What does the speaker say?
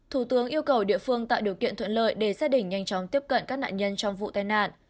thủ tướng yêu cầu địa phương tạo điều kiện thuận lợi để gia đình nhanh chóng tiếp cận các nạn nhân trong vụ tai nạn